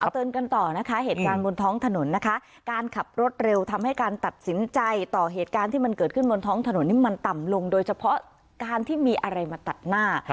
เตือนกันต่อนะคะเหตุการณ์บนท้องถนนนะคะการขับรถเร็วทำให้การตัดสินใจต่อเหตุการณ์ที่มันเกิดขึ้นบนท้องถนนนี่มันต่ำลงโดยเฉพาะการที่มีอะไรมาตัดหน้า